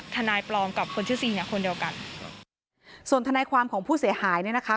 ทนายปลอมกับคนชื่อซีเนี่ยคนเดียวกันส่วนทนายความของผู้เสียหายเนี่ยนะคะ